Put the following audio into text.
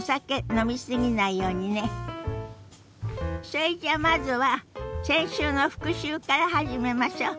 それじゃあまずは先週の復習から始めましょ。